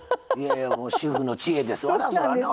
主婦の知恵ですわな。